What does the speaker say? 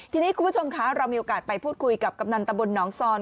ทีนี้คุณผู้ชมคะเรามีโอกาสไปพูดคุยกับกำนันตะบนหนองซอน